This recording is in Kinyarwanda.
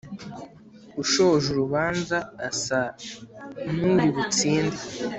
ushoje urubanza asa n'uri butsinde